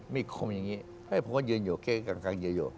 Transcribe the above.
ไม่คุมอย่างนี้ใช่ผมก็ยืนอยู่เกล็กกลางเยอะ